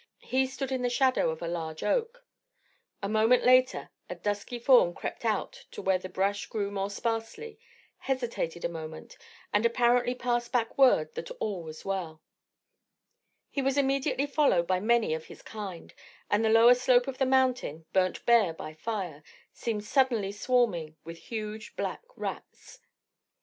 He stood in the shadow of a large oak. A moment later a dusky form crept out to where the brush grew more sparsely, hesitated a moment, and apparently passed back word that all was well; he was immediately followed by many of his kind; and the lower slope of the mountain, burnt bare by fire, seemed suddenly swarming with huge black rats.